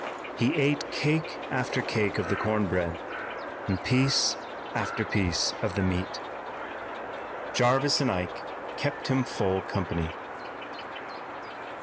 He ate cake after cake of the corn bread and piece after piece of the meat. Jarvis and Ike kept him full company.